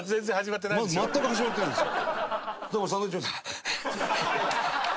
まだ全く始まってないです。